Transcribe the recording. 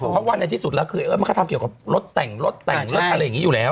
เพราะว่าในที่สุดแล้วคือเอ้ยมันก็ทำเกี่ยวกับรถแต่งรถแต่งรถอะไรอย่างนี้อยู่แล้ว